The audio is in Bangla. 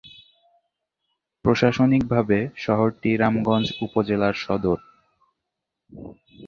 প্রশাসনিকভাবে শহরটি রামগঞ্জ উপজেলার সদর।